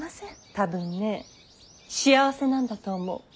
多分ね幸せなんだと思う。